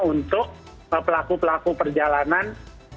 untuk pelaku pelaku perjalanan